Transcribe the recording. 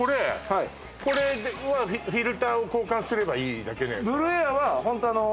はいこれはフィルターを交換すればいいだけのやつなの？